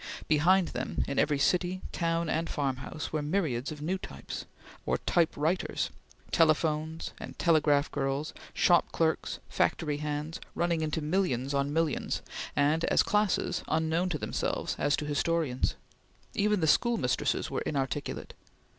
Behind them, in every city, town, and farmhouse, were myriads of new types or type writers telephone and telegraph girls, shop clerks, factory hands, running into millions of millions, and, as classes, unknown to themselves as to historians. Even the schoolmistresses were inarticulate.